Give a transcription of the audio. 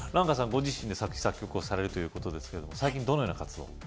ご自身で作詞・作曲をされるということですけど最近どのような活動を？